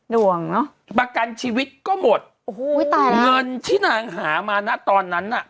ดวงเนอะประกันชีวิตก็หมดโอ้โหตายเงินที่นางหามานะตอนนั้นน่ะ